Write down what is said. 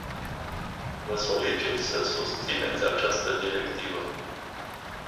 Vă solicit să susțineți această directivă.